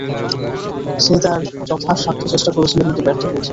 সে তার যথাসাধ্য চেষ্টা করেছিল কিন্তু ব্যর্থ হয়েছে।